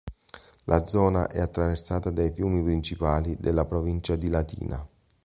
La zona è attraversata dai fiumi principali della provincia di Latina.